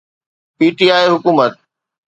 P T I حڪومت